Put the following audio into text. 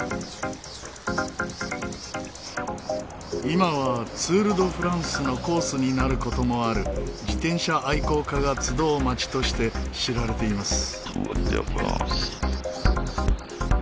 今はツール・ド・フランスのコースになる事もある自転車愛好家が集う町として知られています。